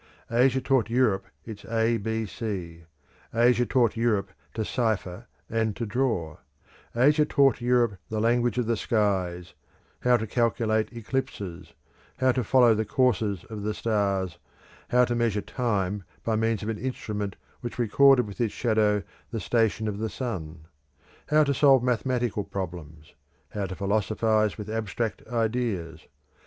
Asia taught Europe its A B C; Asia taught Europe to cipher and to draw; Asia taught Europe the language of the skies, how to calculate eclipses, how to follow the courses of the stars, how to measure time by means of an instrument which recorded with its shadow the station of the sun; how to solve mathematical problems; how to philosophise with abstract ideas.